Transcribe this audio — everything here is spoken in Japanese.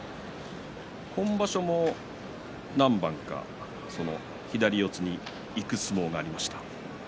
今場所も何番か左四つにいく相撲がありました。